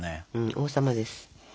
王様です。